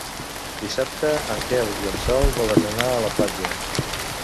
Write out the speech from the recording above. Dissabte en Quel i en Sol volen anar a la platja.